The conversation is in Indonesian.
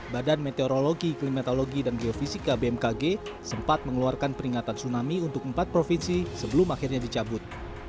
badan meteorologi klimatologi dan geofisika bmkg sempat mengeluarkan peringatan tsunami untuk empat provinsi sebelum akhirnya dicabut